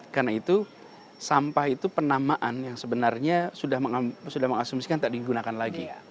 karena itu sampah itu penamaan yang sebenarnya sudah mengasumsikan tidak digunakan lagi